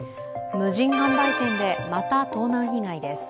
無人販売店で、また盗難被害です。